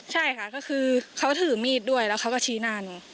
ใช่ค่ะก็คือเขาถือมีดด้วยแล้วเขาก็ชี้หน้าหนู